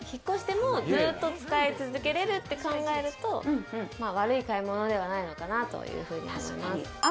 ずっと使い続けられると考えると、悪い買い物ではないのかなというふうに思います。